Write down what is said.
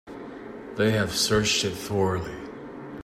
They have searched it thoroughly.